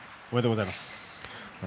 おめでとうございます。